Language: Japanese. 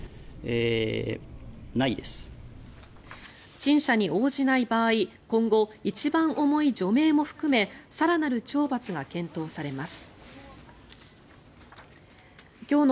陳謝に応じない場合今後、一番重い除名も含め更なる懲罰が検討されます。